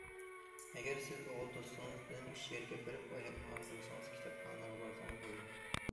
ئەگەر سىز ئوغۇل دوستىڭىز بىلەن ھېچيەرگە بېرىپ ئايلانمىغان بولسىڭىز، كىتابخانىلارغا بارسىڭىز بولىدۇ.